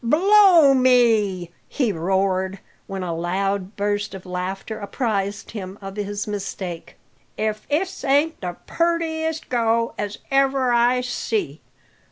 "Blow me!" he roared, when a loud burst of laughter apprised him of his mistake, "if this ain't the purtiest go as ever I see.